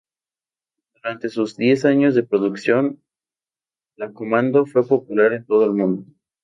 Durante sus diez años de producción, la Commando fue popular en todo el mundo.